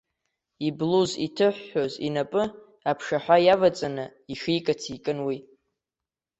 Иблуз иҭыҳәҳәоз инапы, аԥшаҳәа иаваҵаны, ишикыц икын уи.